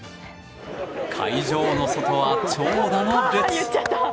会場の外は長蛇の列。